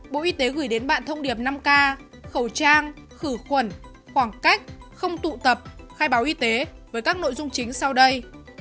bộ y tế gửi đến bạn thông điệp năm k khẩu trang khử khuẩn khoảng cách không tụ tập khai báo y tế với các nội dung chính sau đây